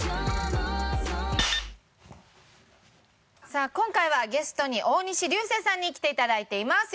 さあ今回はゲストに大西流星さんに来ていただいています。